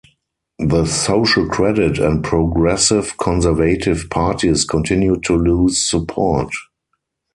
The Social Credit and Progressive Conservative parties continued to lose support.